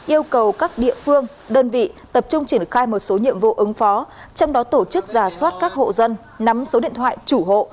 yêu cầu các địa phương đơn vị tập trung triển khai một số nhiệm vụ ứng phó trong đó tổ chức giả soát các hộ dân nắm số điện thoại chủ hộ